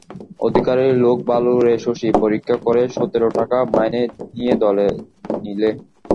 অধিকারী লোক ভালো রে শশী, পরীক্ষা করে সতেরো টাকা মাইনে দিয়ে দলে নিলে।